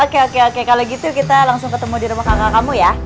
oke oke kalau gitu kita langsung ketemu di rumah tangga kamu ya